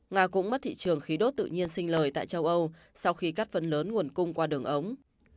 nga cũng mất thị trường khí đốt tự nhiên sinh lời tại châu âu sau khi cắt phần lớn nguồn cung qua đường ống